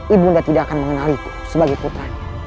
ibunda tidak akan mengenaliku sebagai putranya